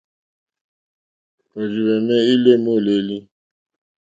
Òrzìhwɛ̀mɛ́ î lé môlélí.